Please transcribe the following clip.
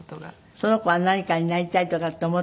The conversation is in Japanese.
その子は何かになりたいとかって思ってるみたい？